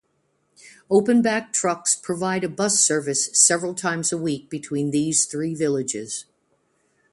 Open-back trucks provide a bus service several times a week between these three villages.